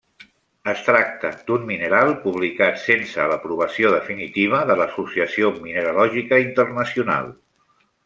Es tracta d'un mineral publicat sense l'aprovació definitiva de l'Associació Mineralògica Internacional.